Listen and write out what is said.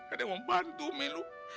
ada yang mau bantu umi lo